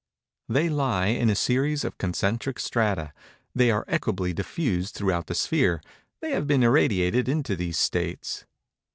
They lie in a series of concentric strata. They are equably diffused throughout the sphere. They have been irradiated into these states.